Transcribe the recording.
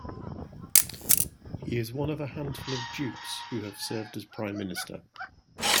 He is one of a handful of dukes who have served as Prime Minister.